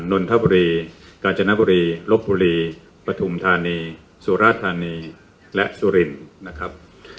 นนทบุรีกาญจนบุรีลบบุรีปฐุมธานีสุราธานีและสุรินนะครับ